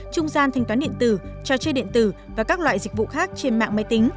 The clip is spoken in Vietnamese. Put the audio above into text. trung gian thanh toán điện tử trò chơi điện tử và các loại dịch vụ khác trên mạng máy tính